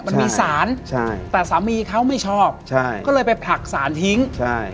มันมีสารใช่แต่สามีเขาไม่ชอบใช่ก็เลยไปผลักสารทิ้งใช่